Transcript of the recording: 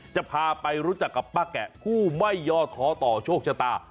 จะพาไปรู้จักกับป้าแกะผู้ไม่ย่อท้อต่อโชคชะตา